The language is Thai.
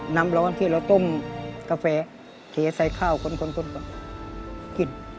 น้ำร้อนที่เราต้มกาแฟเทใส่ข้าวคนต้นก่อนกิน